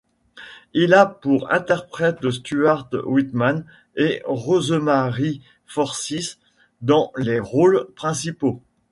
Il a pour interprètes Stuart Whitman et Rosemary Forsyth dans les rôles principaux.